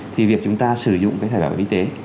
thì việc chúng ta sử dụng cái thẻ bảo hiểm y tế